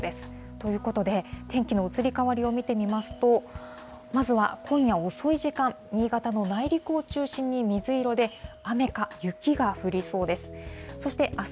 ということで、天気の移り変わりを見てみますと、まずは今夜遅い時間、新潟の内陸を中心に水色で、雨か雪が降りそうです。